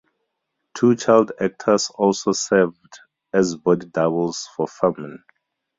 Two child actors also served as body doubles for Fuhrman.